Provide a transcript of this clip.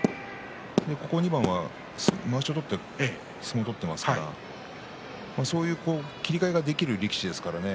ここ２番は、まわしを取って相撲を取っていますからそういう切り替えができる力士ですからね。